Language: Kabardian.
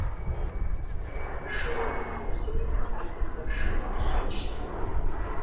Шыуэ зытесри адыгэш лъэчт.